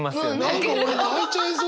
何か俺泣いちゃいそうで！